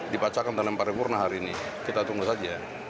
dipacakan dalam pariwurnah hari ini kita tunggu saja